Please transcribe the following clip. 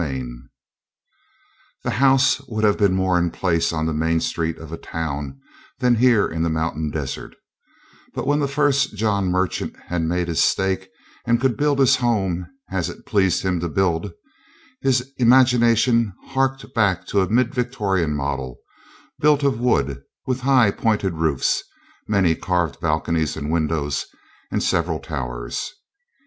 CHAPTER 6 The house would have been more in place on the main street of a town than here in the mountain desert; but when the first John Merchant had made his stake and could build his home as it pleased him to build, his imagination harked back to a mid Victorian model, built of wood, with high, pointed roofs, many carved balconies and windows, and several towers.